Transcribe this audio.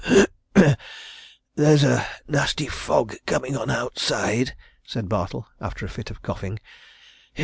"There's a nasty fog coming on outside," said Bartle, after a fit of coughing.